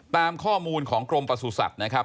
ตามข้อมูลของกรมประสุทธิ์นะครับ